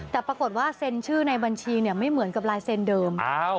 แต่ปรากฏว่าเซ็นชื่อในบัญชีไม่เหมือนกับลายเซ็นเดิม